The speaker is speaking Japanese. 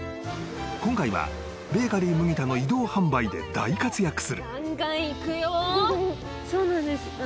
今回はベーカリー麦田の移動販売で大活躍するそうなんです